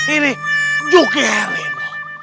ini yuki herlino